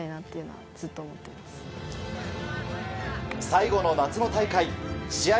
最後の夏の大会試合